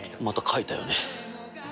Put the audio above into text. また書いたよね。